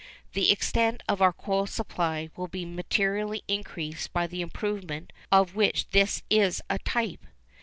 The extent of our coal supply will be materially increased by the improvement of which this is a type....